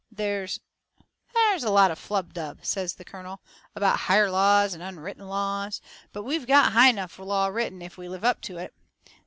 There's " "There's a lot of flub dub," says the colonel, "about higher laws and unwritten laws. But we've got high enough law written if we live up to it.